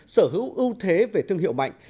sở hữu ưu thế về thương hiệu mạnh